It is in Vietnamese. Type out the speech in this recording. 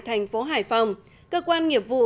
thành phố hải phòng cơ quan nghiệp vụ